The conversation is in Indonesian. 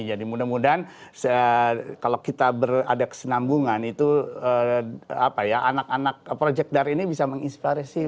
jadi mudah mudahan kalau kita ada kesenambungan itu anak anak projek dar ini bisa menginspirasi